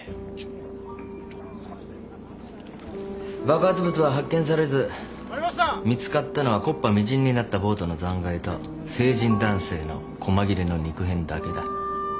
爆発物は発見されず見つかったのは木っ端みじんになったボートの残がいと成人男性の細切れの肉片だけだ。